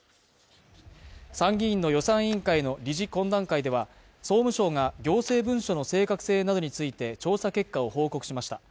参議院の予算委員会の理事懇談会では、総務省が行政文書の正確性などについて調査結果を報告しました。